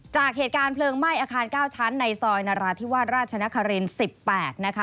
จากเหตุการณ์เพลิงไหม้อาคาร๙ชั้นในซอยนราธิวาสราชนคริน๑๘นะคะ